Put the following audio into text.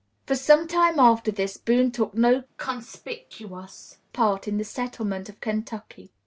For some time after this Boone took no conspicuous part in the settlement of Kentucky.